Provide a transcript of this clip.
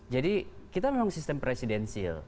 jadi kita memang sistem presidensil